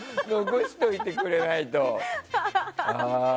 残しておいてくれないと。